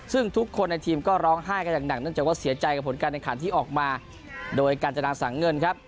ซึ่งทุกคนในทีมก็ร้องไห้กันอย่างหนักเนื่องจากว่าเสียใจกับผลการแข่งขันที่ออกมาโดยการจนาสังเงินครับ